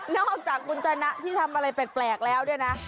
นอกจากคุณจนะที่ทำอะไรแปลกแล้วเนี่ยนะ